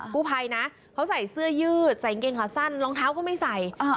ผู้ภัยนะเขาใส่เสื้อยืดใส่เกงขาสั้นรองเท้าก็ไม่ใส่